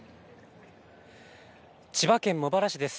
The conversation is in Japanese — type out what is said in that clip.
千葉県茂原市です。